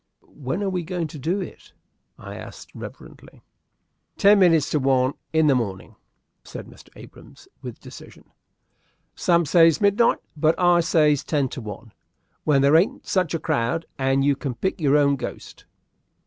"When are you going to do it?" I asked, reverentially. "Ten minutes to one in the morning," said Mr. Abrahams, with decision. "Some says midnight, but I says ten to one, when there ain't such a crowd, and you can pick your own ghost.